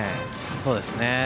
そうですね。